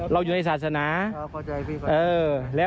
เราอยู่ในศาสนา